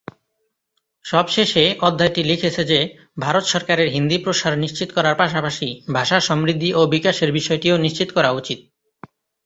সবশেষে, অধ্যায়টি লিখেছে যে ভারত সরকারের হিন্দি প্রসার নিশ্চিত করার পাশাপাশি ভাষার সমৃদ্ধি ও বিকাশের বিষয়টিও নিশ্চিত করা উচিত।